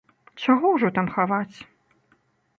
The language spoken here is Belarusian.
Чаго ўжо там хаваць.